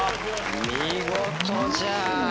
見事じゃ。